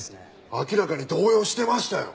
明らかに動揺してましたよ。